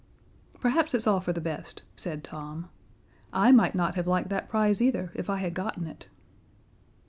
"Perhaps it's all for the best," said Tom. "I might not have liked that prize either, if I had gotten it."